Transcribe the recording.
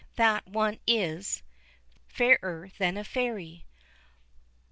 That one is FAIRER THAN A FAIRY.